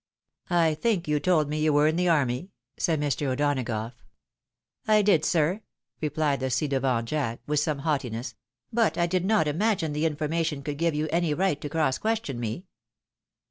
" I think you told me you were in the army ?" said Mr. O'Donagough. " I did, sir," replied the ci devant Jack, with some haughti ness; "but I did not imagine the information could give you amy right to cross question me."